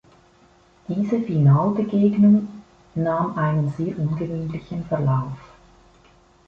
Diese Finalbegegnung nahm einen sehr ungewöhnlichen Verlauf.